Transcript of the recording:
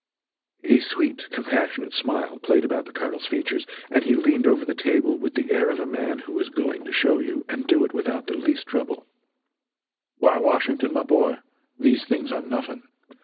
A sweet, compassionate smile played about the Colonel's features, and he leaned over the table with the air of a man who is "going to show you" and do it without the least trouble: "Why Washington, my boy, these things are nothing.